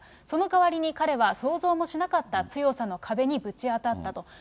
そのかわりに彼は想像もしなかった強さの壁にぶち当たったと。